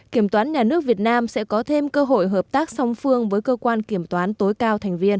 kiểm toán nhà nước việt nam sẽ có thêm cơ hội hợp tác song phương với cơ quan kiểm toán tối cao thành viên